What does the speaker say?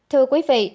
thưa quý vị